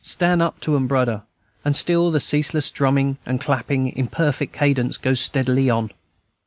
"Stan' up to 'em, brudder!" and still the ceaseless drumming and clapping, in perfect cadence, goes steadily on.